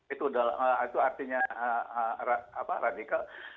itu artinya apa radikal